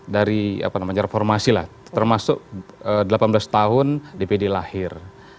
dari reformasi lah termasuk delapan belas tahun dpd lahir